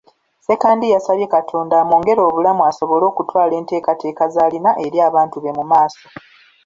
Ssekandi yasabye Katonda amwongere obulamu asobole okutwala enteekateeka z'alina eri abantu be mu maaso.